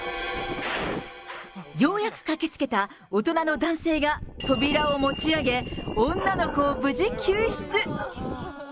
ようやく駆けつけた大人の男性が扉を持ち上げ、女の子を無事救出。